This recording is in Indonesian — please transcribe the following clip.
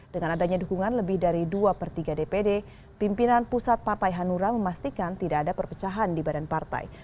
dengan adanya dukungan lebih dari dua per tiga dpd pimpinan pusat partai hanura memastikan tidak ada perpecahan di badan partai